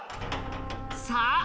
さあ